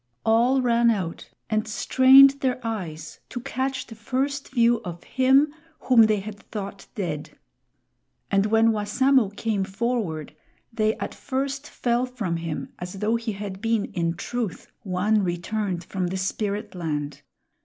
All ran out and strained their eyes to catch the first view of him whom they had thought dead. And when Wassamo came forward, they at first fell from him as though he had been in truth one returned from the Spiritland.